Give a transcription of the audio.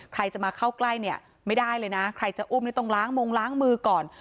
ใครจะมาเข้าใกล้เนี่ยไม่ได้เลยนะใครจะอุ้มนี่ต้องล้างมงล้างมือก่อน